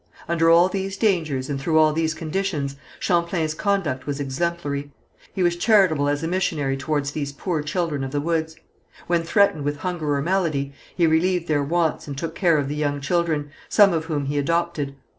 Under all these dangers and through all these conditions, Champlain's conduct was exemplary. He was charitable as a missionary towards these poor children of the woods. When threatened with hunger or malady, he relieved their wants and took care of the young children, some of whom he adopted.